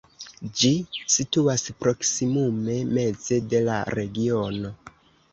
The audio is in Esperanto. Ĝi situas proksimume meze de la regiono.